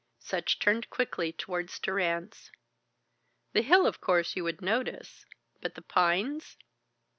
Sutch turned quickly towards Durrance. "The hill, of course, you would notice. But the pines?"